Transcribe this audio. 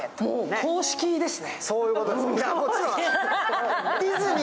公式ですね。